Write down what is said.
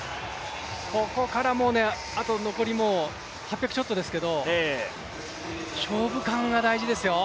ここから、あと残り８００ちょっとですけど勝負勘が大事ですよ。